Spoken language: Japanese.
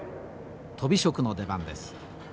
とび職の出番です。